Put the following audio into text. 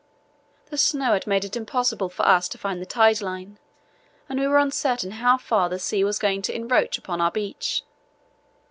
The snow had made it impossible for us to find the tide line and we were uncertain how far the sea was going to encroach upon our beach.